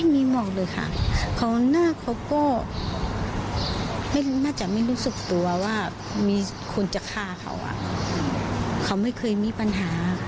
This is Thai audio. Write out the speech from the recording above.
ตอนนี้ตำรวจเร่งไล่กล้องวงจรปิด